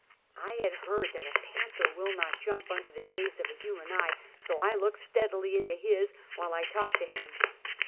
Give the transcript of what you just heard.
I had heard that a panther will not jump under the gaze of a human eye, so I looked steadily into his, while I talked to him.